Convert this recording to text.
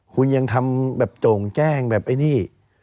คุณยังทำแบบโจ่งแจ้งแบบไอ้นี่